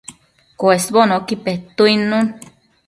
ai cuesbonocqui petuidnun